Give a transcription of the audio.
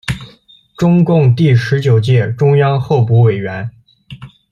中共第十九届中央候补委员。